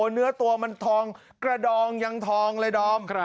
เนื้อตัวมันทองกระดองยังทองเลยดอม